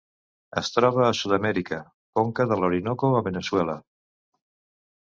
Es troba a Sud-amèrica: conca de l'Orinoco a Veneçuela.